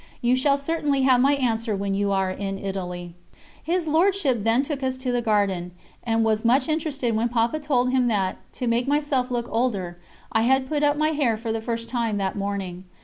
You shall certainly have my answer when you are in Italy." His Lordship then took us to the garden, and was much interested when Papa told him that, to make myself look older, I had put up my hair for the first time that very morning.